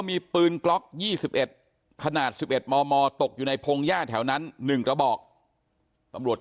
มีปืนกล็อก๒๑ขนาด๑๑มมตกอยู่ในพงหญ้าแถวนั้น๑กระบอกตำรวจ